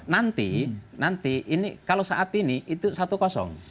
nanti kalau saat ini itu satu kosong